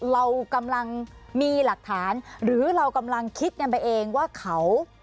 เรากำลังมีหลักฐานหรือเรากำลังคิดกันไปเองว่าเขา